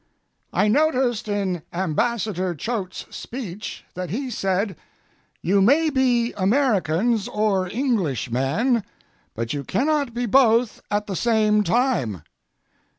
I noticed in Ambassador Choate's speech that he said: "You may be Americans or Englishmen, but you cannot be both at the same time."